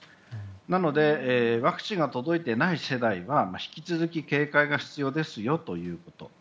なのでワクチンが届いていない世代は引き続き警戒が必要ですよということ。